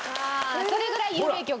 それぐらい有名曲？